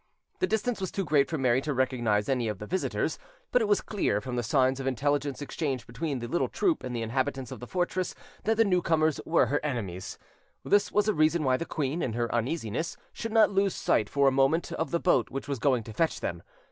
The distance was too great for Mary to recognise any of the visitors; but it was clear, from the signs of intelligence exchanged between the little troop and the inhabitants of the fortress, that the newcomers were her enemies. This was a reason why the queen, in her uneasiness, should not lose sight for a moment of the boat which was going to fetch them.